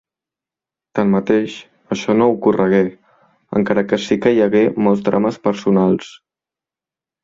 Tanmateix, això no ocorregué, encara que sí que hi hagué molts drames personals.